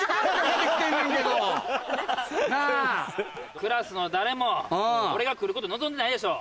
クラスの誰も俺が来ること望んでないでしょ。